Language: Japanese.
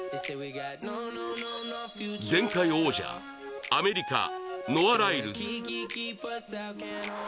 前回王者、アメリカ、ノア・ライルズ